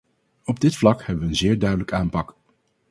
Op dit vlak hebben we een zeer duidelijk aanpak.